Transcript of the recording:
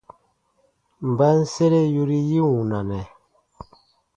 Mba n sere yori yi wunanɛ ?